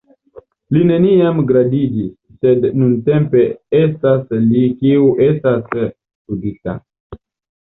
Li neniam gradiĝis, sed nuntempe estas li kiu estas studita.